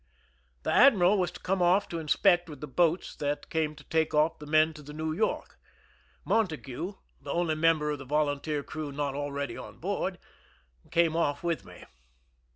The admiral was to come off to inspect with the boats that came to take off the men to the New York. Montague, the only member of the volunteer crew not already on board, came off with me.